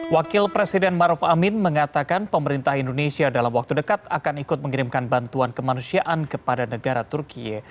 wakil presiden maruf amin mengatakan pemerintah indonesia dalam waktu dekat akan ikut mengirimkan bantuan kemanusiaan kepada negara turkiye